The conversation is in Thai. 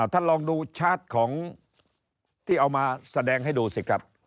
ท่านลองดูชาร์จของที่เอามาแสดงให้ดูสิครับ